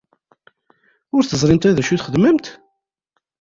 Ur teẓrimt ara d acu i txedmemt?